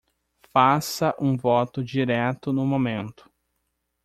Faça um voto direto no momento